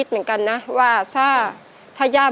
โดยโปรแกรมแม่รักลูกมาก